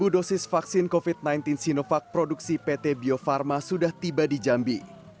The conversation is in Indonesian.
dua puluh dosis vaksin covid sembilan belas sinovac produksi pt bio farma sudah tiba di jambi